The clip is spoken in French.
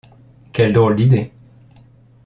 Quelle drôle d’idée !